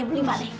beli pak d